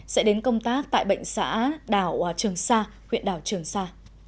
sẽ đến công tác tại bệnh xã đảo trường sa huyện đảo trường sa